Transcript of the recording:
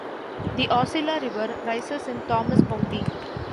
The Aucilla River rises in Thomas County.